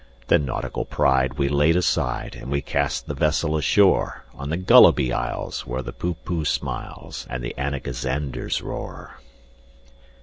Then nautical pride we laid aside, And we cast the vessel ashore On the Gulliby Isles, where the Poohpooh smiles, And the Anagazanders roar.